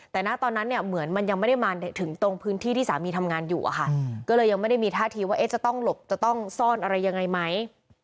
แต่ณตอนนั้นเนี่ยเหมือนมันยังไม่ได้มาถึงตรงพื้นที่ที่สามีทำงานอยู่อะค่ะก็เลยยังไม่ได้มีท่าทีว่าจะต้องหลบจะต้องซ่อนอะไรยังไงไหม